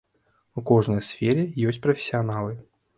У кожнай сферы ёсць прафесіяналы.